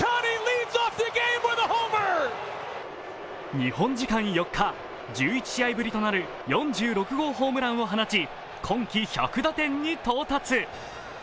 日本時間４日、１１試合ぶりとなる４６号ホームランを放ち今季１００打点に到達。